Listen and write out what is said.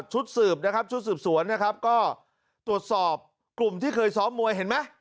ชุดสืบนะครับชุดสืบสวนนะครับก็ตรวจสอบกลุ่มที่เคยซ้อมมวยเห็นไหม